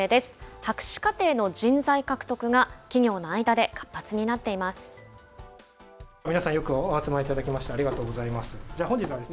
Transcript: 博士課程の人材獲得が企業の間で活発になっています。